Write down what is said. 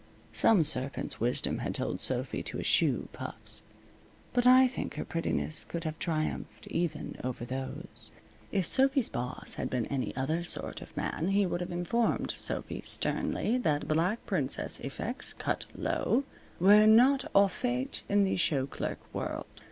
Some serpent's wisdom had told Sophy to eschew puffs. But I think her prettiness could have triumphed even over those. If Sophy's boss had been any other sort of man he would have informed Sophy, sternly, that black princess effects, cut low, were not au fait in the shoe clerk world.